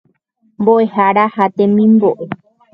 Mbo'ehára ha temimbo'e.